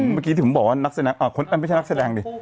เมื่อกี้ที่ผมบอกว่านักแสดงไม่ใช่นักแสดงดิ